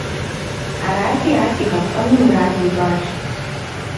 Арати ар къигъэпцӀэну мурад ищӀащ.